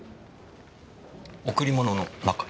贈り物の中に。